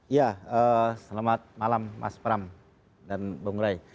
ya selamat malam mas pram dan bang rai